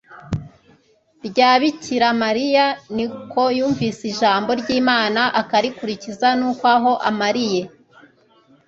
rya bikira mariya ni uko yumvise ijambo ry'imana akarikurikiza nuko aho amariye